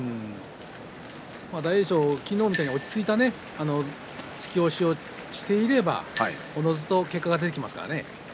大栄翔、昨日みたいに落ち着いた突き押しをしていればおのずと結果が出てきますからね。